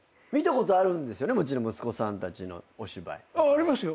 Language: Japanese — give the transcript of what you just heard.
ありますよ。